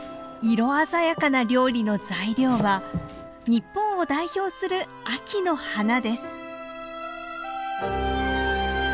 色鮮やかな料理の材料は日本を代表する秋の花です。